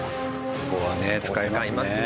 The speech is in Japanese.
ここ使いますね。